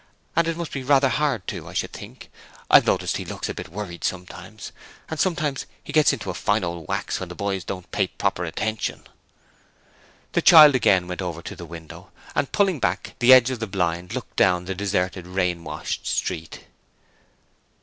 'And it must be rather hard too, I should think. I've noticed he looks a bit worried sometimes, and sometimes he gets into a fine old wax when the boys don't pay proper attention.' The child again went over to the window, and pulling back the edge of the blind looked down the deserted rain washed street.